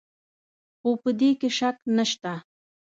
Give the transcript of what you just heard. خو په دې کې شک نشته.